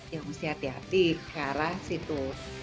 ya mesti hati hati ke arah situ